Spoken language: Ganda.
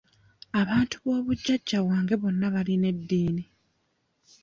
Abantu b'obujajja bwange bonna balina eddiini.